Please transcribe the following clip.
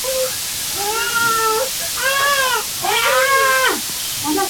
wakurugenzi mameneja na mameneja Wasaidizi wanateuliwa na gavana